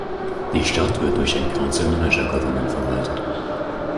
Die Stadt wird durch ein Council Manager Government verwaltet.